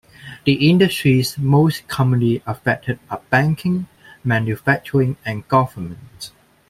The industries most commonly affected are banking, manufacturing, and government.